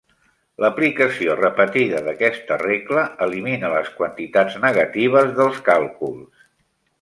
L'aplicació repetida d'aquesta regla elimina les quantitats negatives dels càlculs.